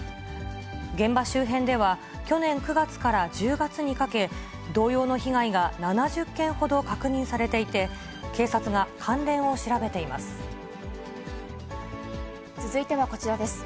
現場周辺では、去年９月から１０月にかけ、同様の被害が７０件ほど確認されていて、警察が関連を調べていま続いてはこちらです。